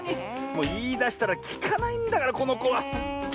もういいだしたらきかないんだからこのこは。